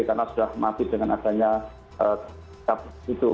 karena sudah mati dengan adanya tersatu